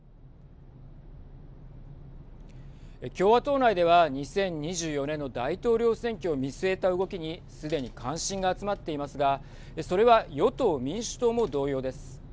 共和党内では２０２４年の大統領選挙を見据えた動きにすでに関心が集まっていますがそれは与党・民主党も同様です。